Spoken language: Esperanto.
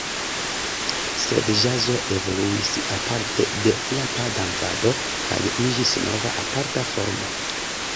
Sed ĵazo evoluis aparte de frapa dancado kaj iĝis nova aparta formo.